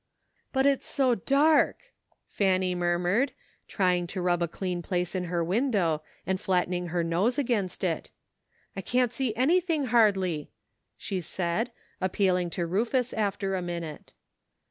" But it's so dark," Fanny murmured, trying to rub a clean place in her window, and flatten ing her nose against it. " I can't see anything hardly," she said, appealing to Rufus after a minute.